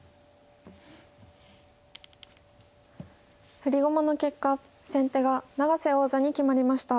振り駒の結果先手が永瀬王座に決まりました。